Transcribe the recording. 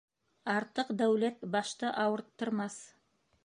Артыҡ дәүләт башты ауырттырмаҫ.